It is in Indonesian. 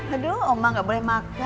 aduh ombak gak boleh makan